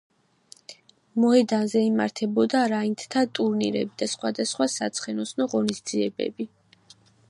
მოედანზე იმართებოდა რაინდთა ტურნირები და სხვადასხვა საცხენოსნო ღონისძიებები.